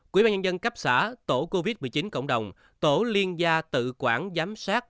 quỹ ban nhân dân cấp xã tổ covid một mươi chín cộng đồng tổ liên gia tự quản giám sát